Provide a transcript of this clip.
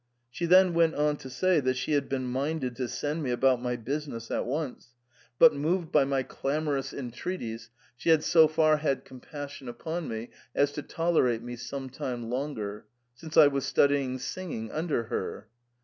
She then went on to say that she had been minded to send me about my business at once, but, moved by my clamorous THE PERM ATA. 51 entreaties, she had so far had compassion upon me as to tolerate me some time longer, since I was studying singing under her.